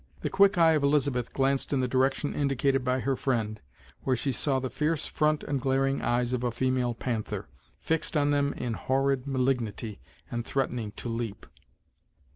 The quick eye of Elizabeth glanced in the direction indicated by her friend, where she saw the fierce front and glaring eyes of a female panther, fixed on them in horrid malignity, and threatening to leap.